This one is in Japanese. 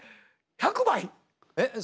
１００倍！？